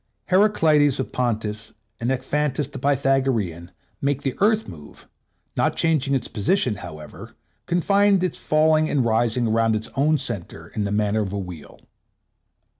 Heraklides of Pontus and Ekphantus the Pythagorean make the Earth move, not changing its position, however, confined in its falling and rising around its own center in the manner of a wheel."